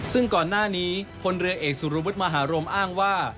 ซึ่งก่อนหน้านี้พลเรือเอกสุรวุฒิมหารมอ้างว่า